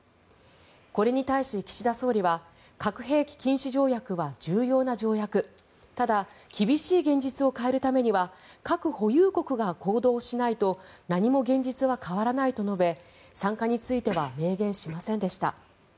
これに対し、岸田総理は核兵器禁止条約は重要な条約ただ、厳しい現実を変えるためには核保有国が行動しないと何も現実は変わらないと述べ参加については明言しませんでした。